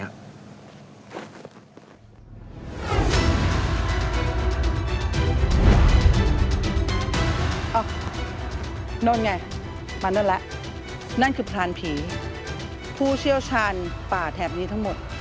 นั่นไงมานั่นแล้วนั่นคือพรานผีผู้เชี่ยวชาญป่าแถบนี้ทั้งหมด